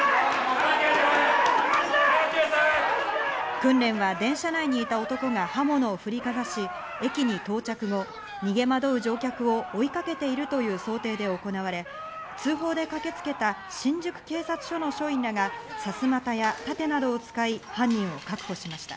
訓練は電車内にいた男が刃物を振りかざし、駅に到着後、逃げ惑う乗客を追いかけているという想定で行われ、通報で駆けつけた新宿警察署の署員らがお天気です。